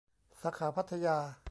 สาขาพัทยา